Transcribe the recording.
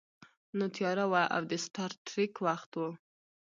نو تیاره وه او د سټار ټریک وخت و